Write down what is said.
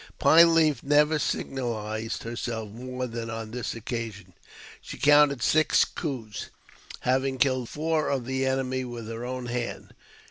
Pine Leaf never signalized herself more than on this occasion. She counted six coos, having killed four of the enemy with her own hand.